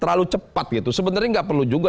terlalu cepat gitu sebenarnya nggak perlu juga